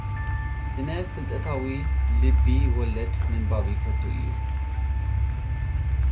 ስነ ፍልጠታዊ ልቢ ወለድምንባብ ይፈቱ እዩ።